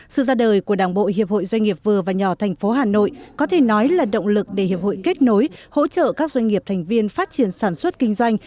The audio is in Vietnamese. sự ra đời của đảng bộ hiệp hội doanh nghiệp vừa và nhỏ thành phố hà nội có thể nói là động lực để hiệp hội kết nối hỗ trợ các doanh nghiệp thành viên phát triển sản xuất kinh doanh